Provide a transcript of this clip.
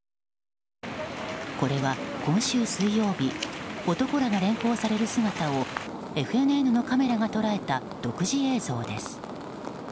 これは、今週水曜日男らが連行される姿をＦＮＮのカメラが捉えた独自映像です。